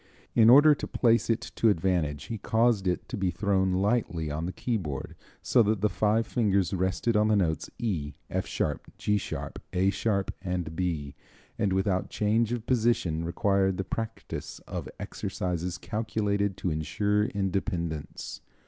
In order to place it to advantage he caused it to be thrown lightly on the keyboard so that the five fingers rested on the notes E, F sharp, G sharp, A sharp and B, and without change of position required the practice of exercises calculated to insure independence.